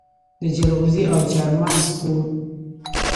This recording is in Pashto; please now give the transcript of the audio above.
د جلغوزي او چارمغز کور.